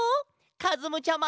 かずむちゃま！